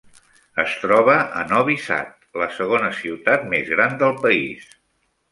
Es troba a Novi Sad, la segona ciutat més gran del país.